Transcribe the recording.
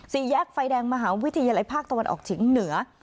สี่แยกไฟแดงมหาวิทยาลัยภาคตะวันออกเฉียงเหนือ